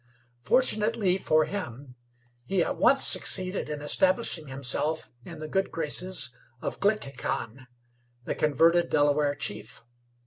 Fortunately for him, he at once succeeded in establishing himself in the good graces of Glickhican, the converted Delaware chief.